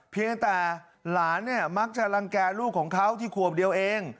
เพียงแต่หลานเนี่ยมักจะรังแก่ลูกของเขาที่ขวบเดียวเอง